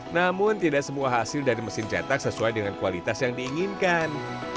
namun tidak semua hasil dari mesin cetak sesuai dengan kualitas yang diinginkan